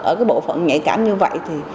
ở cái bộ phận nhạy cảm như vậy